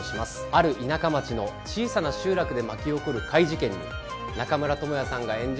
ある田舎町の小さな集落で巻き起こる怪事件に中村倫也さんが演じる